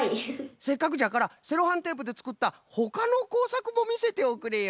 せっかくじゃからセロハンテープでつくったほかのこうさくもみせておくれよ！